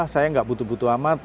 saya nggak butuh butuh amat